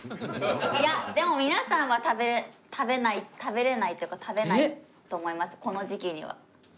いやでも皆さんは食べない食べられないというか食べないと思います。